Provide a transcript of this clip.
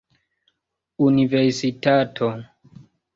universitato